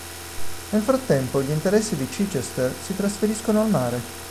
Nel frattempo gli interessi di Chichester si trasferiscono al mare.